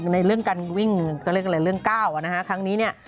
ในเรื่องการวิ่งก็เรียกอะไรเรื่องก้าวนะฮะครั้งนี้เนี่ย